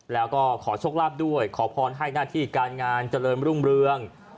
แล้วก็ขอโชคลาภด้วยขอพรให้หน้าที่การงานเจริญรุ่งเรือง